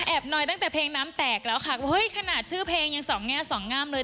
นอยตั้งแต่เพลงน้ำแตกแล้วค่ะเฮ้ยขนาดชื่อเพลงยังสองแง่สองงามเลย